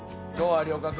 有岡君。